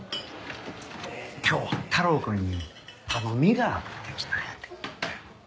今日は太郎くんに頼みがあって来たんやて。